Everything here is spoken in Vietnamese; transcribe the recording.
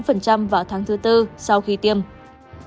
các bệnh nhân đã đánh giá bằng cách so sánh tỷ lệ mắc covid một mươi chín